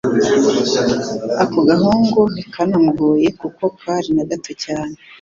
Ako gahugu ntikanamugoye kuko kari na gato cyane,